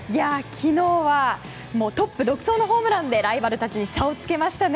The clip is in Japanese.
昨日はトップ独走のホームランでライバルたちに差を付けましたね。